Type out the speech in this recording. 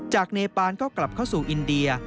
เนปานก็กลับเข้าสู่อินเดีย